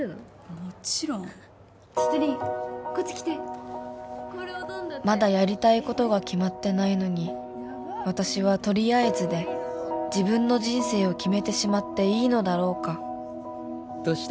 もちろんちょっと凛こっち来てこれ踊んだってまだやりたいことが決まってないのに私はとりあえずで自分の人生を決めてしまっていいのだろうかどうした？